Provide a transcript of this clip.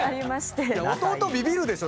弟ビビるでしょ